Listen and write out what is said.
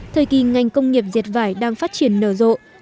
thời kỳ ngành công nghiệp diệt vải đang phát triển nở rộ